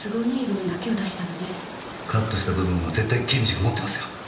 カットした部分は絶対検事が持ってますよ。